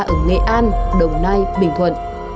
ở nghệ an đồng nai bình thuận